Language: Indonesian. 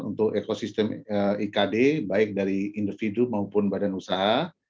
untuk ekosistem ikd baik dari individu maupun badan usaha